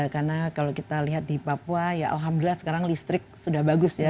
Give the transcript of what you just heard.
karena kalau kita lihat di papua ya alhamdulillah sekarang listrik sudah bagus ya